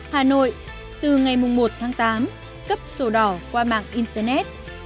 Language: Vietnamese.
hà nội từ ngày một tháng tám cấp sổ đỏ qua mạng internet